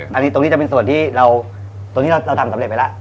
อันนี้จะเป็นส่วนที่เราทำสำเร็จไปแล้ว